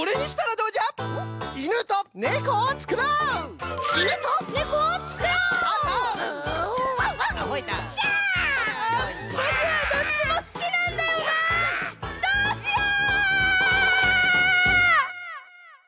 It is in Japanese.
どうしよう！